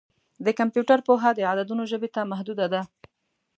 د کمپیوټر پوهه د عددونو ژبې ته محدوده ده.